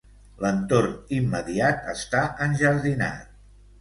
L'entorn immediat està enjardinat.